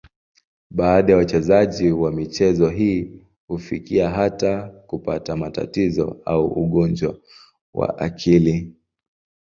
Baadhi ya wachezaji wa michezo hii hufikia hata kupata matatizo au ugonjwa wa akili.